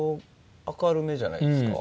明るめじゃないですか？